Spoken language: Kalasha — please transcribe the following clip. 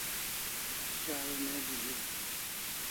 sharu neji hiu